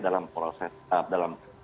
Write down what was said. dalam proses dalam